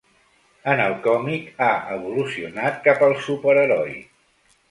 En el còmic ha evolucionat cap al superheroi.